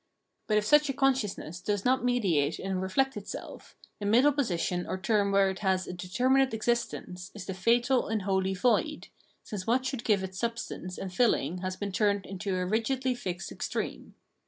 But if such a consciousness does not mediate and reflect itself, the middle position or term where it has a determinate existence is the fatal unholy void, since what should give it substance and filling has been turned into a rigidly fixed extreme.